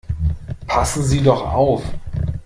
Passen Sie doch auf!